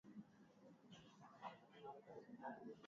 zambia imewekwa kweneye kundi moja na ujerumani katika mashindano